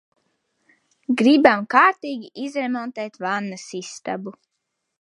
Gribam kārtīgi izremontēt vannasistabu.